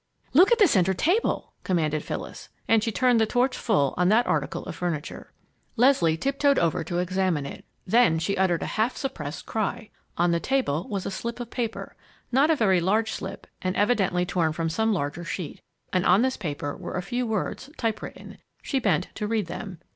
"Look on the center table!" commanded Phyllis, and she turned the torch full on that article of furniture. Leslie tiptoed over to examine it. Then she uttered a little half suppressed cry. On the table was a slip of paper not a very large slip, and evidently torn from some larger sheet. And on this paper were a few words, type written. She bent to read them.